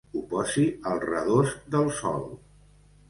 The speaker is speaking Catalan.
Ho posi al redós del sol.